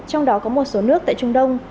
trong đó có một số nước tại trung đông